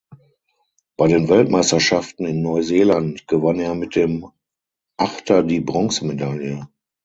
Bei den Weltmeisterschaften in Neuseeland gewann er mit dem Achter die Bronzemedaille.